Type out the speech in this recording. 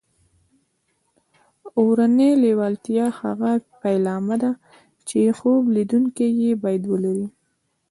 اورنۍ لېوالتیا هغه پیلامه ده چې خوب لیدونکي یې باید ولري